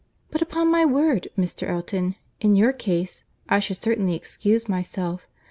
But, upon my word, Mr. Elton, in your case, I should certainly excuse myself.